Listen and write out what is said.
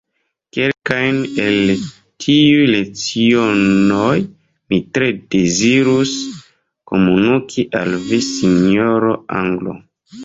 Kelkajn el tiuj lecionoj mi tre dezirus komuniki al vi, sinjor’ anglo.